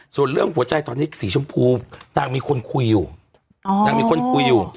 ส่วนเรื่องหัวใจตอนนี้สีชมพูนางมีคนคุยอยู่นางมีคนคุยอยู่